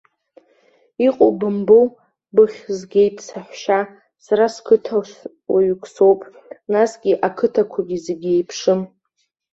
Иҟоу бымбои, быххь згеит, саҳәшьа, сара қыҭа уаҩык соуп, насгьы ақыҭақәагьы зегьы еиԥшым.